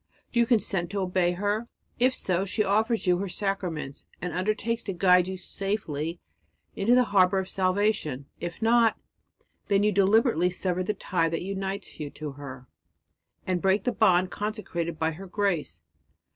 Do you consent to obey her? If so, she offers you her sacraments and undertakes to guide you safely into the harbour of salvation. If not, then you deliberately sever the tie that unites you to her, and break the bond consecrated by her grace.